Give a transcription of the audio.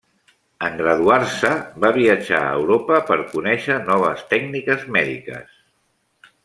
En graduar-se, va viatjar a Europa per conèixer noves tècniques mèdiques.